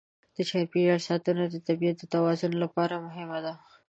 د چاپېریال ساتنه د طبیعت د توازن لپاره مهمه ده.